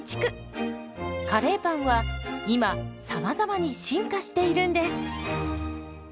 カレーパンは今さまざまに進化しているんです。